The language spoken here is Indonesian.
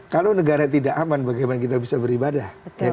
kalau negara tidak aman bagaimana kita bisa beribadah